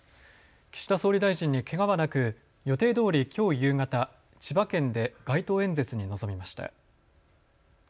岸田総理大臣にけがはなく予定どおりきょう夕方、千葉県で街頭演説に臨みました。